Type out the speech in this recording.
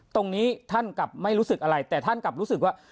ตรงนี้ท่านกลับไม่รู้สึกอะไรแต่ท่านกลับรู้สึกว่า